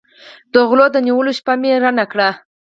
د غلو د نیولو شپه مې رڼه کړه.